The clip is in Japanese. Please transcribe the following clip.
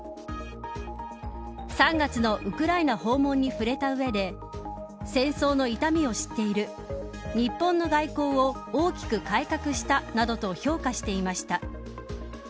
３月のウクライナ訪問に触れた上で戦争の痛みを知っている日本の外交を大きく改革したなどと評価していました。